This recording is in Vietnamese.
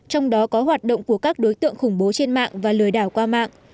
trong đó có hoạt động của các đối tượng khủng bố trên mạng và lừa đảo qua mạng